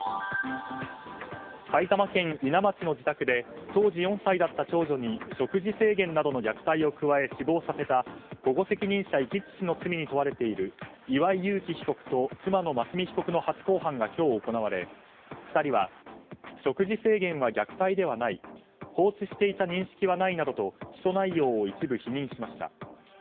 埼玉県伊奈町の自宅で当時４歳だった長女に食事制限などの虐待を加え死亡させた保護責任者遺棄致死の罪に問われている岩井悠樹被告と妻の真純被告の初公判が今日、行われ２人は食事制限は虐待ではない放置していた認識はないなどと起訴内容を一部否認しました。